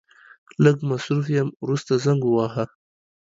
لږ مصرف يم ورسته زنګ وواهه.